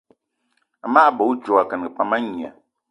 Amage bè odjo akengì pam a ngné.